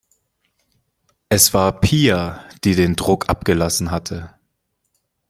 Es war Pia, die den Druck abgelassen hatte.